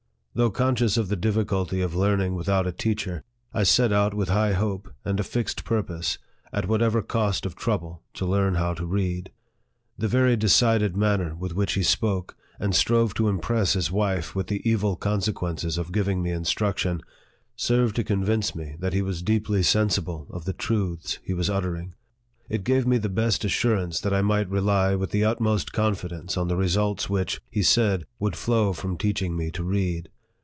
Though conscious of the difficulty of learning without a teacher, I set out with high hope, and a fixed pur pose, at whatever cost of trouble, to learn how to read. The very decided manner with which he spoke, and strove to impress his wife with the evil consequences of giving me instruction, served to convince me that he was deeply sensible of the truths he was uttering. It gave me the best assurance that I might rely with the utmost confidence on the results which, he said, would flow from teaching me to read.